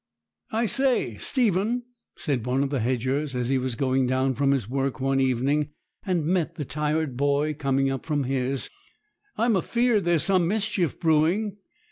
'I say, Stephen,' said one of the hedgers, as he was going down from his work one evening, and met the tired boy coming up from his, 'I'm afeared there's some mischief brewing.